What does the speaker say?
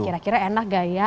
kira kira enak gak ya